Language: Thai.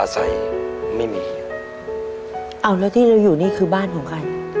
ไม่มีครับเอาแล้วที่เราอยู่นี่คือบ้านของใคร